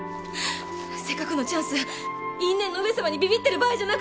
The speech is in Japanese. せっかくのチャンス因縁の上様にビビってる場合じゃなかったです！